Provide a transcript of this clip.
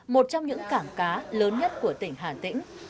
một trong những cảng cá lớn nhất của tỉnh hà tĩnh